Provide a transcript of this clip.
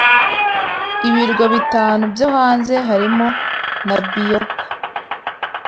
ibirwa bitanu byo hanze harimo na Biyoko